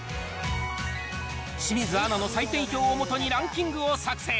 清水アナの採点表をもとにランキングを作成。